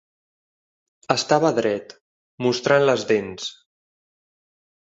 Estava dret, mostrant les dents.